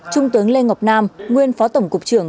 trung tướng lê ngọc nam nguyên phó tổng cục trưởng